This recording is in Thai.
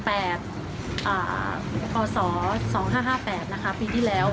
ปศ๒๕๕๘ปีที่แล้ว